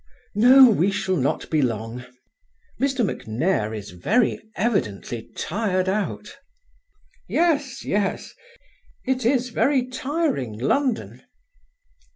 "No, we shall not be long. Mr MacNair is very evidently tired out." "Yes—yes. It is very tiring, London."